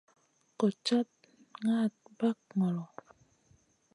Goɗ cad naʼaɗ ɓag ŋolo.